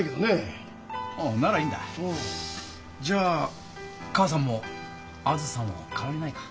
じゃあ母さんもあづさも変わりないか？